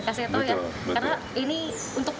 kak seta ya karena ini untuk